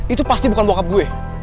itu pasti bukan bokap gue